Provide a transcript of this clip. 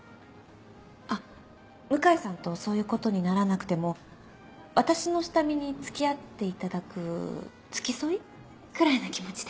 あ向井さんとそういうことにならなくても私の下見に付き合っていただく付き添いくらいな気持ちで。